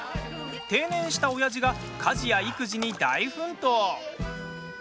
定年したオヤジが家事や育児に大奮闘！